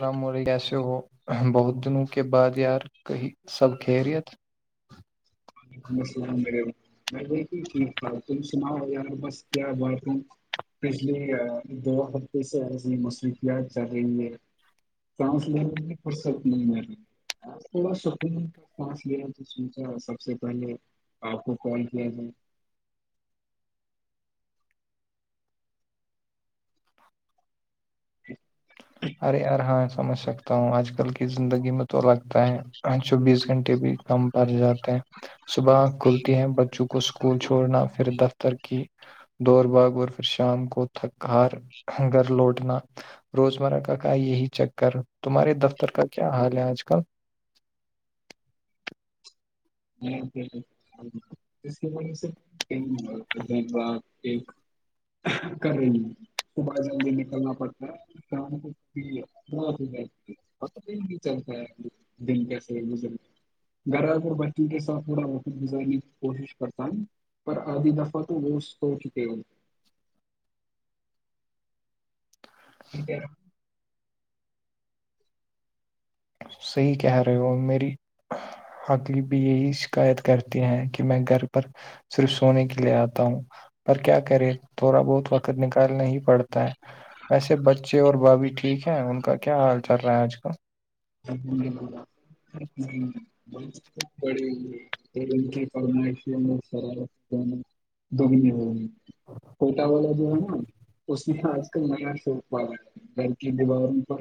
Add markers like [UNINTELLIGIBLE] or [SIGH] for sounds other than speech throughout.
اللام علیکم کیسے ہو بہت دنوں کے بعد یار کہیں سب کہریت وعلیکم السلام عم میں ب ہی ٹھیک ٹھاک تم سناؤ یار بس کیا ہے بات ہوں پچھلی دو ہفتے سے ای مصروفیات چل رہی ہے چانس ل پڑ سک نہیں ما تھوڑا سک ل رہ سب سے پہلے آپ کو فون کیا تھا ارے یار ہاں سمجھ سکتا ہوں آج کل کی زندگی میں تو لگتا ہے چوبیس گھنٹے بھی کم پڑ جاتے ہیں صبح کھلتی ہیں بچوں کو اسکول چھوڑنا پھر دفتر کی دوور باغ اور پھر شام کو تھک ہار گھر لوٹنا روزمرہ کا کا کا یہی چکر تمہارے دفتر کا کیا حال ہے آج کل وجہ سے ب ایک کرےلی صبح جلدی نکلنا پڑتا ہے ب چ دن کیسے گھر ب چ کے سات تھورا وفت گزرنے کی کوشش کرتا ہوں پر آدھی دفعہ تو روز ہو چکے ہوں ٹیک ہے صحیح کہہ رہے ہو میری حقلیب بھی یہی شکایت کرتے ہیں کہ میں گھر پر صرف سونے کے لیے آتا ہوں پر کیا کرے تھوڑا بہت وقت نکالنا پڑتا ہو ویسے بچے اور بھابھی ٹھیک ہے ان کا کیا حال چل رہا ہے آج کل بڑی ل پرمائش سر دگنی ہو کوٹا والا جو ہے نا اس میں آج کل ن گھر کی دیواروں پر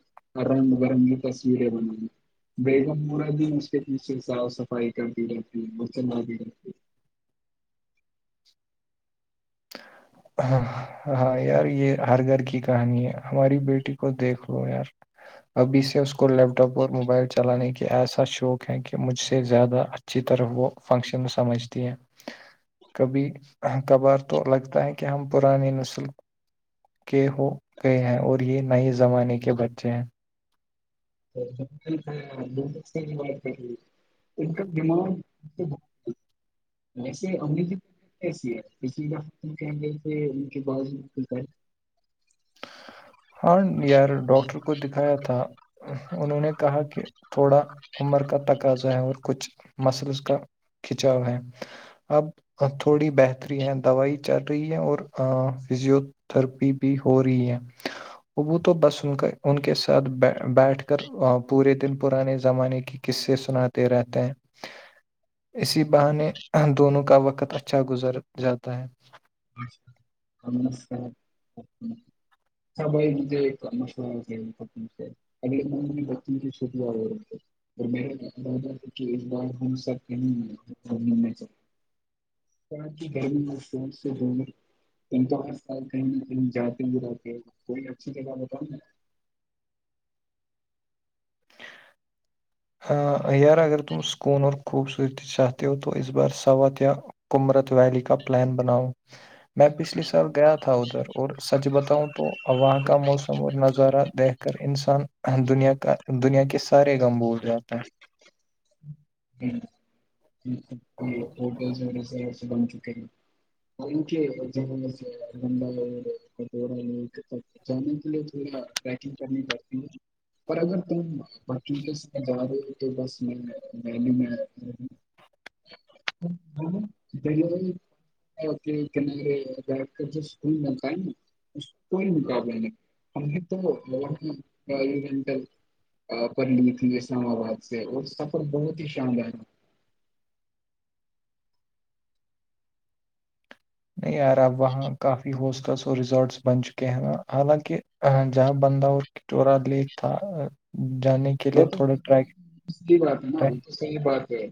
رنگ برنگی تصویریں بنے بگم پورا دن اس کے پیچھے صاف صفائی کرتی رہتی ہے مچن آتی رہتی ہے [INAUDIBLE] ہاں ہاں یار یہ ہر گھر کی کہانی ہے ہماری بیٹی کو دیکھ لو یار ابھی سے اس کو لیپٹاپ اور موبائل چلانے کی کہ ایسا شوق ہے کہ مجھ سے زیادہ اچھی طرح وہ فنکشن سمجھتی ہیں کبھی کبھار تو لگتا ہے کہ ہم پرانیے نسل کے ہو گئے ہیں اور یہ نئے زمانے کے بچے ہیں ب ان کا دمانڈ ویسے امریکی ایسی ہے پ دف کےل سے ان ب ہاں یار ڈاکٹر کو دکھایا تھا انہوں نے کہا کہ تھوڑا عمر کا تقاضا ہے اور کچھ مسلس کا [UNINTELLIGIBLE] کھنچاؤ ہے اب تھوڑی بہتری ہے دوائی چل رہی ہے اور فزیو تھرپی بھی ہو رہی ہے [UNINTELLIGIBLE] وہ تو بس ان کا ان کے ساتھ بیٹھ کر پورے دن پرانے زمانے کی کس سے سناتے رہتے ہیں اسی بہانے دونوں کا وقت اچھا گزر جاتا ہے [INAUDIBLE] سب بھائی مجھے ایک مشہور پ سے ا بن کی سوب آ یر بار سب [INAUDIBLE] تو آ کہیں کہ جاتے گراتے کوئی اچھی جگہ بتاؤں یار اگر تم سکون اور خوبصورتی چاتتی تو اس بار سثوات کمرت ویلی کا پلان بناؤ میں پچھلے سال گیا تھا ادھر اور سچ بتاؤں تو وہاں کا موسم اور نظارہ دھ کر انسان دنیا کا دنیا کے سارے غم بھول جاتا ہے یہ ہوٹلرس ایسے بن چکے ہیں [INAUDIBLE] جانے کے لیے تھوڑا بیکنگ کرنی پڑتی ہے پر اگر تم بچوں کے ساتھ جا رہے ہو تو بس [INAUDIBLE] کنارے اسکول بنتا ہے نا اس کوئی مقابلے نہیں ہم تو [INAUDIBLE] پلی تھی اسلام آباد سے اور سفر بہت ہی شاندار تھا نہیں یار اب وہاں کافی ہوسٹلس اور ریزورٹس بن چکے ہیںا حالانکہ جہاں بندہ اور ٹورا لیک تھا جانے کی وہ تو صحیح بات ہے نا ٹریک- تو صحیح بات ہے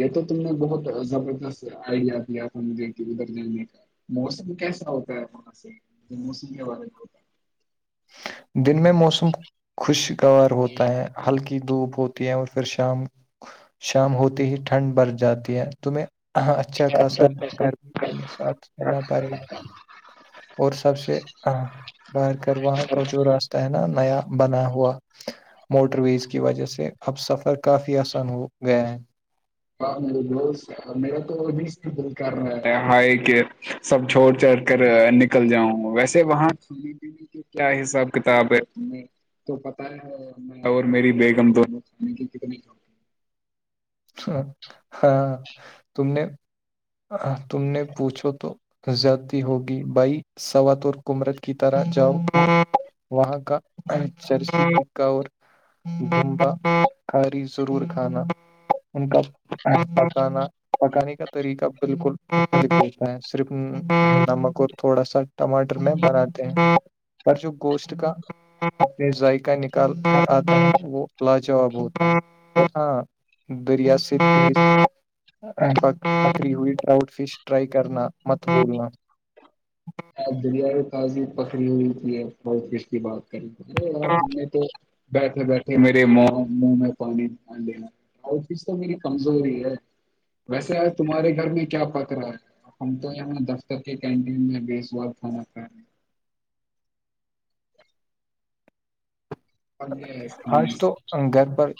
یہ تو تم نے بہت زبردست آئیڈیا دیا ہم دے کے ادھر جانے کا موسم کیسا ہوتا ہے سے موسم کے حوالے میں دن میں موسم خوشگوار ہوتا ہے ہلکی دھوپ ہو ہیں اور پھر شام شام ہوتی ہی ٹھنڈ بر جاتی ہے تمہیں اچھا اچھا خاصا گھر پڑنے ساتھ رہنا پڑے گا اور سب سے بار پھر وہاں کا جو راستہ ہے نا نیا بنا ہوا موٹر ویز کی وجہ سے اب سفر کافی آسان ہو گیا ہے ہاں میرا تو وہی اسٹرگل کر رہا کہ سب چھوڑ چھ کر نک نکل جاؤں ویسے وہاں سنے پنے کے کیا حساب کتاب ہے تو پتاہ ہے اور میری بیگم دونوں کتنی ہاں تم نے تم نے پوچھو تو زیادتی ہوگی بھائی سوات اور کمرت کی طرح جاؤ وہاں کا چر کا اور بمبا کاری ضرور کھانا ان کا پکانا پکانے کا طریقہ بالکلتا ہے صرف نمک اور تھوڑا سا ٹماٹر میں بناتے ہیں پر جو گوشت کا اپنے ذائقہ نکال آ وہ لاجاب ہوتا ہاں دریا سے برف بری ہوئی رؤٹ فش رائی کرنا مت بولنا دنیا میں تازی پکڑی ہوئی تھی بہت کس کی بات کری تھی آپ تم نے تو بیٹھے بیٹھے میرے ماں میں پانی لین اور چیز تو میری کمزوری ہے ویسے آج تمہارے گھر میں کیا پت رہا ہے ہم تو یہاں دفتر کے کینٹین میں بیچ بہت فم کا آج تو گھر پر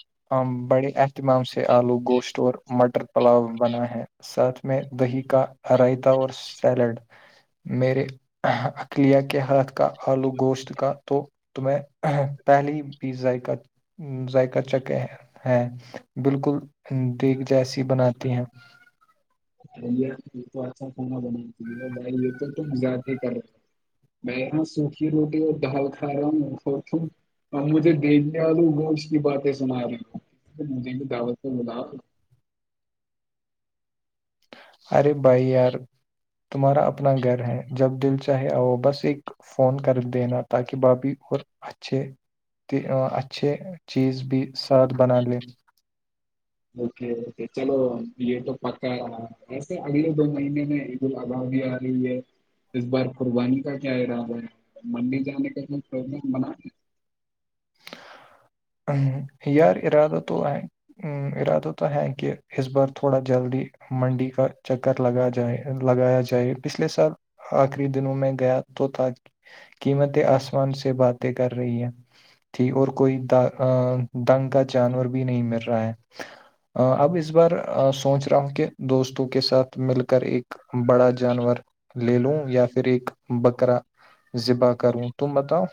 بڑے اہتمام سے آلو گوشتور مٹر پلاؤ بنا ہے ساتھ میں دہی کا رائتا اور سیلڈ میرے اقلیہ کے ہاتھ کا آلو گوشت کا تو تمیں پہلی بھیزذائقت ذائقہ چک ہے بالکل دیگ جیسی بناتی ہیں تو آا کناا بنا تا بر یہ تو م گاات ہی کر میں یہاں سوکی روٹی اور دھال کھایا میں او تھوں ا مجھے دینیالو گوش کی باتیں سنا رہی ہوں مجھے بھی دعوت ملا ارے بھائی یار تمہارا اپنا گھر ہے جب دل چاہے آؤ بس ایک فون کر دینا تاکہ بھابھی اور اچھے کہ اچھے چیز بھی ساتھ بنا لیں [UNINTELLIGIBLE] اوکے اوکے چلو یہ تو پکا ہے وسے اگلے دو مہینے میں آباد بھی آ رہی ہے اس بار قربانی کا کیا ارادہ ہے مندر جانے کا پرب بنا ا یار ارادہ تو آ ا ارادوں تو ہیں کہہ اس بار تھوڑا جلدی منڈی کا چکر لگا جائے لگایا جائے پچھلے سال آخری دنوں میں گیا تو تاکہ قمتیں آسمان سے باتیں کر رہی ہیں ج اور کوئی دا ا دنگ کا جانور بھی نہیں مل رہا ہے اب اس بار سوچ رہا ہوں کہ دوستوں کے ساتھ مل کر ایک بڑا جانور لے لوں یا پھر ایک بکرا زذبا کروں تم بتاؤ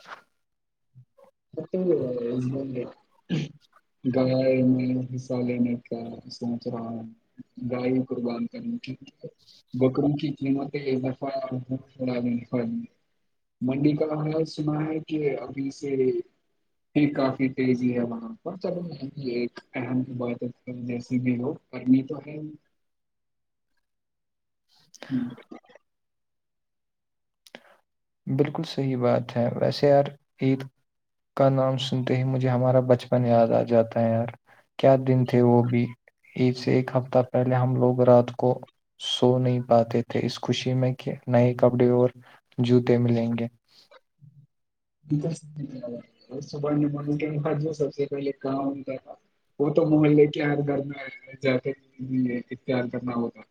مے گائے میں حصہ لینے کا سوچ رہا ہوں گائے قربان کرنی ٹھیک ہے بکر کچلی م یہا فا ف منڈی کا انظ سنا ہے کہ ابھی سے یہ کافی تیزی ہے وہاں پر چلو م ایک ام کی بت جیسی بھی ہو پمی تو ہے ہاں بالکل صحیح بات ہے ویسے یار عید کا نام سنتے ہی مجھے ہمارا بچپن یاد آ جاتا ہے یار کیا دن تھے وہ بھی ایک سے ایک ہفتہ پہلے ہم لوگ رات کو سو نہیں پاتے تھے اس خوشی میں کہ نئے کپڑے اور جوتے ملیں گے [INAUDIBLE] سبح نے م کہ ان کا جو سب سے پہلے گؤ انتا تھا وہ تو محلے کےار کرنا ج اختیار کرنا ہو تو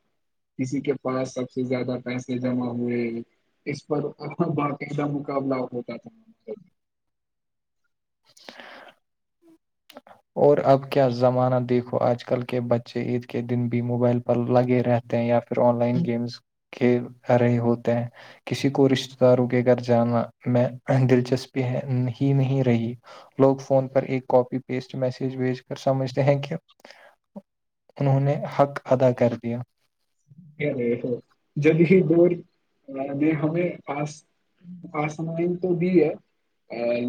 کسی کے پاس سب سے زیادہ پیسے جمع ہوئے اس پر ا بات ایکا مقبلہ ہوتا ہے تھا [INAUDIBLE] اور اب کیا زمانہ دیکھو آج کل کے بچے عید کے دن بھی موبائل پر لگے رہتے ہیں یا پھر آن لائن گیمس کھیل رہے ہوتے ہیں کسی کو رشتتے داروں کے گھر جانا میں دلچسپی ہے ہی نہیں رہی لوگ فون پر ایک کاپی پیسٹ میسج بھیج کر سمجھتے ہیں کہ انہوں نے حق ادا کر دیا رہ ہو جلد ہی دور نے ہمیں پاس آسمانی تو بھی ہے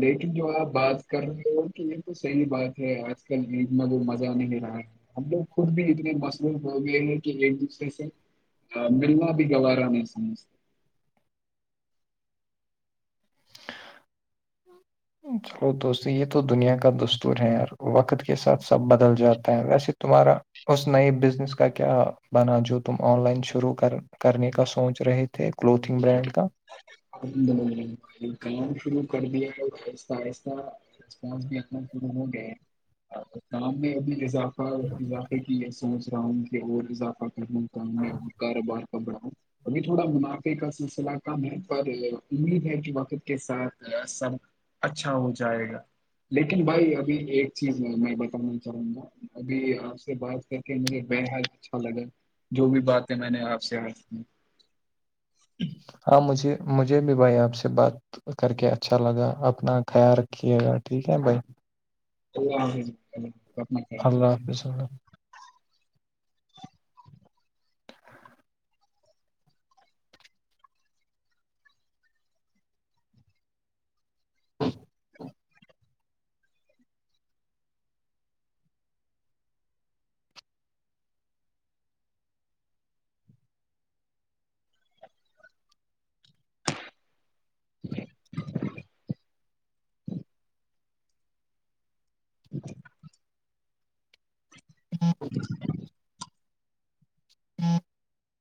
لیکن جو آپ بات کر رہے ہو کہ یہ تو صحیح بات ہے آج کل اتنا وہ مزہ نہیں رہا ہم لوگ خود بھی اتنے مصروف ہو گئے ہیں کہ ایک دوسرے سے ہ ملنا بھی گوارا میں سمجھ چلو دوست یہ تو دنیا کا دستور ہیں یار وقت کے ساتھ سب بدل جاتا ہے ویسے تمہارا اس نئے بزنس کا کیا بنا جو تم آن لائن شروع کر کرنے کا سوچ رہے تھے کلوتھنگ برانڈ کا کام شروع کر دیا ایہستہ ایہستہ بھی ہو گےام بھی [UNINTELLIGIBLE] اضافہ اضافے کی یہ سوچ رہا ہوں کہ اور اضافہ کرنے کام میں اور کاروبار بڑاؤ ابھی تھوڑا منافع کا سلسلہ کم ہے پر امید ہے کہ وقت کے ساتھ سب اچھا ہو جائے گا لیکن بھائی ابھی ایک چیز ہے میں بتانا چاہوں گا ابھی آپ سے بات کر مجھے بےحد اچھا لگا جو بھی بات ہے میں نے آپ سے ہر ہ [UNINTELLIGIBLE] ہاں مجھے مجھے بھی بھائی آپ سے بات کر کے اچھا لگا اپنا خیال رکھیے گا ٹھیک ہے بھائی تو [UNINTELLIGIBLE] اللہ حافظ اللہ [INAUDIBLE] ہ [UNINTELLIGIBLE] ج [UNINTELLIGIBLE] جی [UNINTELLIGIBLE] ہاں [UNINTELLIGIBLE]